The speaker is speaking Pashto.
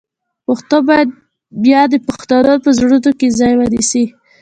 پښتو باید بیا د پښتنو په زړونو کې ځای ونیسي.